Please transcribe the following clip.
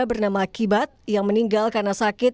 bernama akibat yang meninggal karena sakit